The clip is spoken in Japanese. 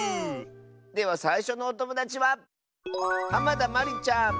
ではさいしょのおともだちはまりちゃんの。